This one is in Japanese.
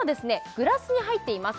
グラスに入っています